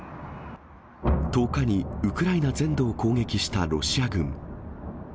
１０日にウクライナ全土を攻撃したロシア軍。